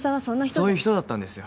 そういう人だったんですよ